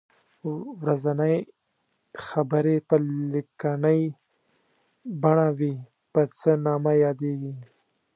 ورځنۍ خبرې په لیکنۍ بڼه وي په څه نامه یادیږي.